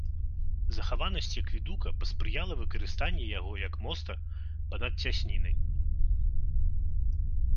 Захаванасці акведука паспрыяла выкарыстанне яго як моста па-над цяснінай.